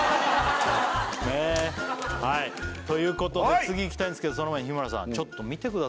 はいということで次いきたいんですけどその前に日村さんあら！